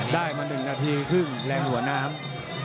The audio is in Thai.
ได้มา๑นาทีครึ่งแรงหัวน้ำ